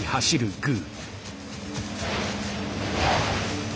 グー！